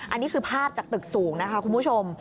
อันนี้คือภาพจากตึกสูงนะคะคุณผู้ชม